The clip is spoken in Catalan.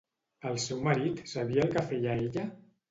El seu marit sabia el que feia ella?